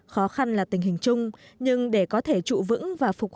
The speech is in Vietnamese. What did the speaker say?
khó khăn là tình hình chung nhưng để có thể trụ vững và phục hồi lại sau dịch